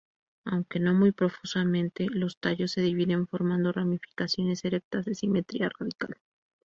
Aunque no muy profusamente los tallos se dividen formando ramificaciones erectas de simetría radial.